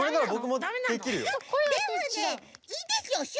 いいですよ